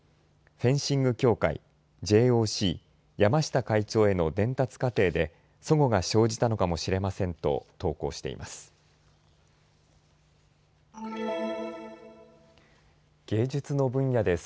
フェンシング協会、ＪＯＣ、山下会長への伝達過程でそごが生じたのかもしれませんと投稿しています。